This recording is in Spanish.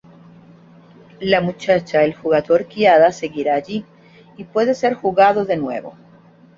La muchacha el jugador guiada seguirá ahí, y puede ser jugado de nuevo.